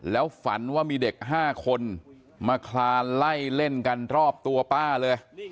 แล้วฝันว่ามีเด็ก๕คนมาคลานไล่เล่นกันรอบตัวป้าเลย